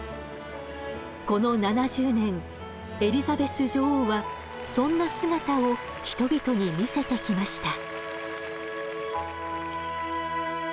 この７０年エリザベス女王はそんな姿を人々に見せてきました。